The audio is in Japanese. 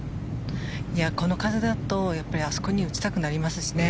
この風だとあそこに打ちたくなりますしね。